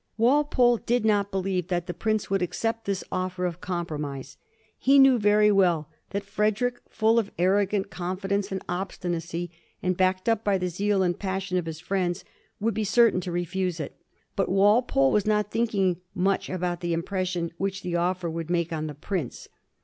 Walpole did not believe that the prince would accept this offer of compromise. He knew very well that Frederick, full of arrogant confidence and obstinacy, and backed up by the zeal and passion of his friends, would be certain to refuse it. But Walpole was not thinking much about the impression which the offer would make on the prince.